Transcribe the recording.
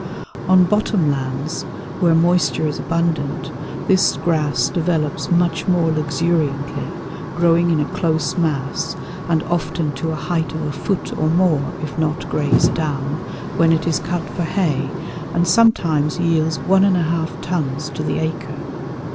On bottom lands, where moisture is abundant, this grass develops much more luxuriantly, growing in a close mass, and often to a height of a foot or more, if not grazed down, when it is cut for hay, and sometimes yields 11/2 tons to the acre.